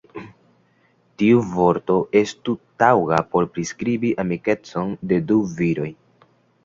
Tiu vorto estu taŭga por priskribi amikecon de du viroj.